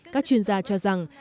các chuyên gia cho rằng